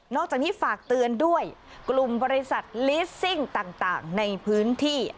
จากนี้ฝากเตือนด้วยกลุ่มบริษัทลิสซิ่งต่างในพื้นที่